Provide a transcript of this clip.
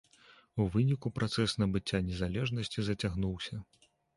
У выніку працэс набыцця незалежнасці зацягнуўся.